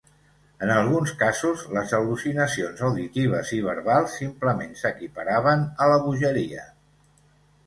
En alguns casos, les al·lucinacions auditives i verbals simplement s'equiparaven a la bogeria.